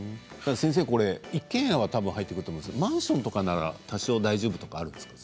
一軒家は入ってくると思いますがマンションとかは多少大丈夫というのはあるんですか。